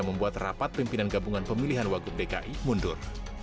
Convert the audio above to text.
membuat rapat pimpinan gabungan pemilihan wagub dki mundur